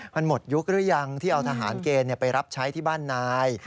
มันหมดยุคหรือยังที่เอาทหารเกณฑ์ไปรับใช้ที่บ้านนาย